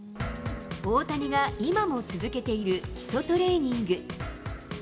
大谷が今も続けている基礎トレーニング。